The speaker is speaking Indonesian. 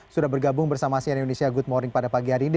sudah bergabung bersama sian indonesia good morning pada pagi hari ini